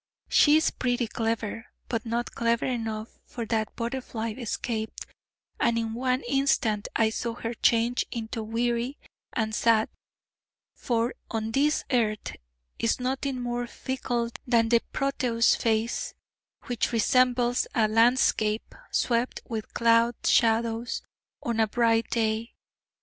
She is pretty clever, but not clever enough, for that butterfly escaped, and in one instant I saw her change into weary and sad, for on this earth is nothing more fickle than that Proteus face, which resembles a landscape swept with cloud shadows on a bright day.